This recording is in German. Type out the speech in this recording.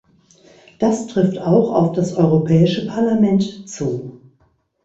Das trifft auch auf das Europäische Parlament zu.